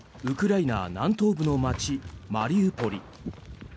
ウクライナ南東部の街マリウポリ。